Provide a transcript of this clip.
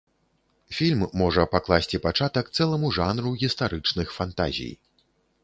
Фільм можа пакласці пачатак цэламу жанру гістарычных фантазій.